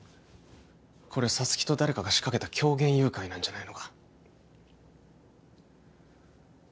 これ沙月と誰かが仕掛けた狂言誘拐なんじゃないのか？